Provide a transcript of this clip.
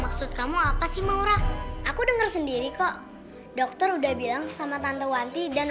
maksud kamu apa sih maura aku dengar sendiri kok dokter udah bilang sama tante wanti dan